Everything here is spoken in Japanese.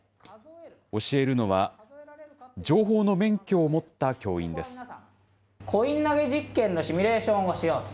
教えるのは、情報の免許を持った教員です。